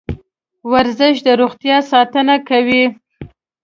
ورزش د روغتیا ساتنه کوي.